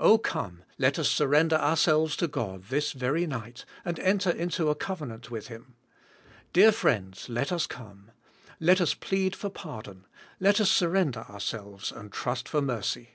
Oh come, let us surrender ourselves to God this very night, and enter into a covenant with Him. Dear friends, let us come. Let us plead for pardon, let us surrender ourselves and trust for mercy.